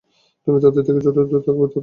তুমি তাদের থেকে যত দূরে থাকবে ততই ভাল।